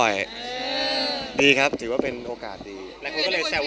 ใช่ครับช่วงนี้ว่างตรงกันบ่อย